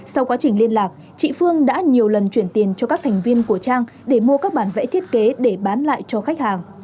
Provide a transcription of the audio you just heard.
sau quá trình liên lạc chị phương đã nhiều lần chuyển tiền cho các thành viên của trang để mua các bản vẽ thiết kế để bán lại cho khách hàng